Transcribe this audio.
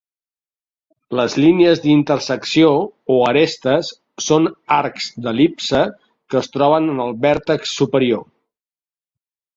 Les línies d'intersecció o arestes són arcs d'el·lipse que es troben en el vèrtex superior.